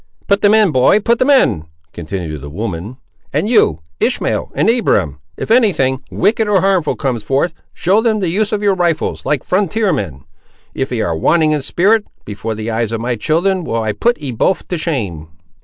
"Put them in, boy; put them in," continued the woman; "and you, Ishmael and Abiram, if any thing wicked or hurtful comes forth, show them the use of your rifles, like frontier men. If ye ar' wanting in spirit, before the eyes of my children will I put ye both to shame!"